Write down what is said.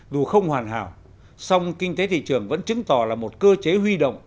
dù không hoàn hảo song kinh tế thị trường vẫn chứng tỏ là một cơ chế huy động